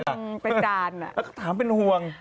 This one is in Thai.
แล้วก็ถามเป็นหวง